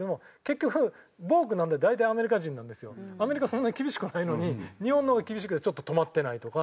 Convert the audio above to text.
そんなに厳しくないのに日本の方が厳しくてちょっと止まってないとか。